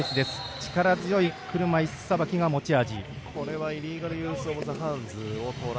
力強い車いすさばきが持ち味。